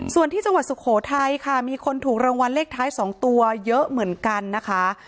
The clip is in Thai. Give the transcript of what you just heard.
ส่วนที่จังหวัดสุโขทัยค่ะมีคนถูกรางวัลเลขท้าย๒ตัวเยอะเหมือนกันนะคะ